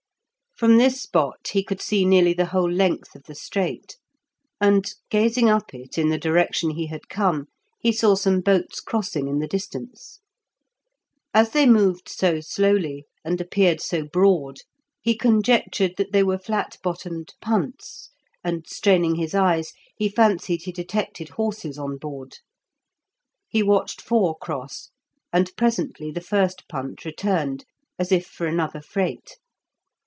From this spot he could see nearly the whole length of the strait, and, gazing up it in the direction he had come, he saw some boats crossing in the distance. As they moved so slowly, and appeared so broad, he conjectured that they were flat bottomed punts, and, straining his eyes, he fancied he detected horses on board. He watched four cross, and presently the first punt returned, as if for another freight.